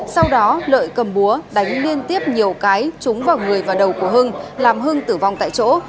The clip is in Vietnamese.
sau đó lợi cầm búa đánh liên tiếp nhiều cái trúng vào người và đầu của hưng làm hưng tử vong tại chỗ